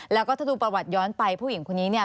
แล้วก็ถ้าดูประวัติย้อนไปผู้หญิงคนนี้เนี่ย